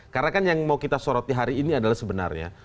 karena kan yang mau kita sorotin hari ini adalah sebenarnya